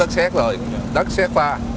đất xét rồi đất xét qua